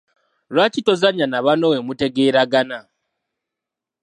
Lwaki tozannya na banno bwe mutegeeragana?